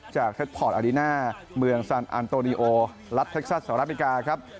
จากเทคพอร์ตอรีน่าเมืองสันอันโตนิโอรัตเทคซัสสหรัฐวิกาครับ